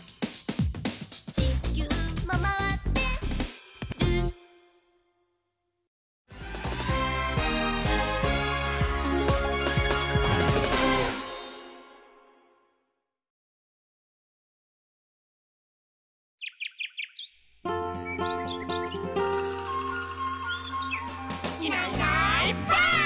「ちきゅうもまわってる」「いないいないばあっ！」